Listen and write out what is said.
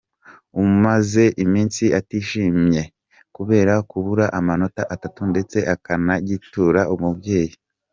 umaze iminsi atishimye kubera kubura amanota atatu ndetse akanagitura umubyeyi.